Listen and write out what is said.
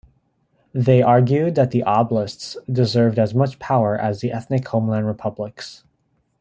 They argued that the oblasts deserved as much power as the ethnic homeland republics.